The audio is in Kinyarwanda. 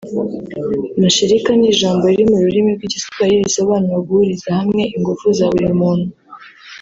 Mashirika ni ijambo riri mu rurimi rw’Igiswahili risobanura guhuriza hamwe ingufu za buri muntu